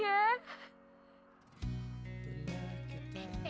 yang milik makasih ya